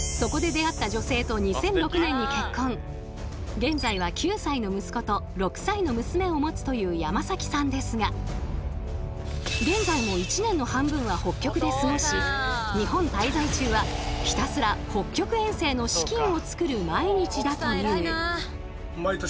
現在は９歳の息子と６歳の娘を持つという山崎さんですが現在も一年の半分は北極で過ごし日本滞在中はひたすら北極遠征の資金をつくる毎日だという。